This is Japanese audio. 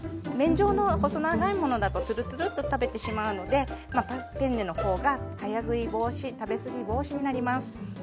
麺状の細長いものだとつるつるっと食べてしまうのでペンネの方が早食い防止食べ過ぎ防止になります。